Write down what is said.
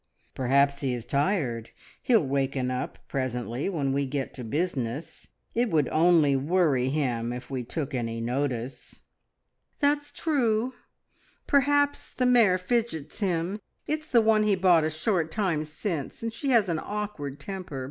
"Perhaps he is tired. He'll waken up presently when we get to business. It would only worry him if we took any notice." "That's true. Perhaps the mare fidgets him. It's the one he bought a short time since, and she has an awkward temper.